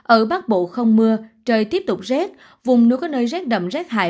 ở bắc bộ không mưa trời tiếp tục rết vùng núi có nơi rết đậm rết hại